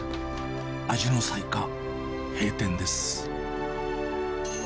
味の彩華、閉店です。